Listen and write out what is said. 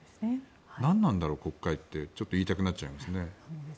何なんだろう、国会ってってちょっと言いたくなりますね。